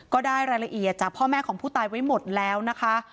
ก็ได้รายละเอียดจากพ่อแม่ของผู้ตายไว้หมดแล้วนะคะ